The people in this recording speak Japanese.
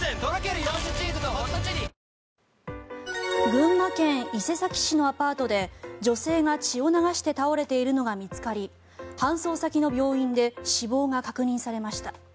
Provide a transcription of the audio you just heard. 群馬県伊勢崎市のアパートで女性が血を流して倒れているのが見つかり搬送先の病院で死亡が確認されました。